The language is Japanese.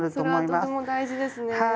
あそれはとても大事ですね。